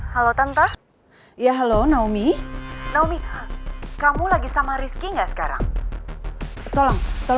kita akan balik lepas awal